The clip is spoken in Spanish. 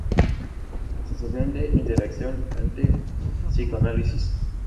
Asociación de Interacción Arte-Psicoanálisis.